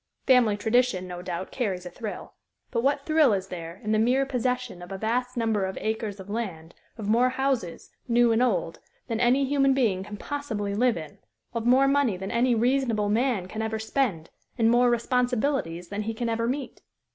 Family tradition, no doubt, carries a thrill. But what thrill is there in the mere possession of a vast number of acres of land, of more houses, new and old, than any human being can possibly live in, of more money than any reasonable man can ever spend, and more responsibilities than he can ever meet?